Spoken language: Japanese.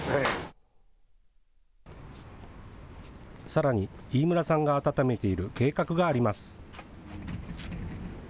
さらに、飯村さんが温めている計画があります。